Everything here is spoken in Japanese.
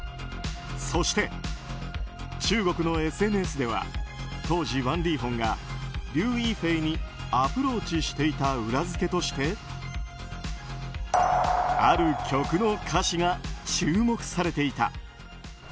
そして、中国のＳＮＳでは当時ワン・リーホンがリウ・イーフェイにアプローチしていた裏づけとしてある曲の歌詞が注目されていた。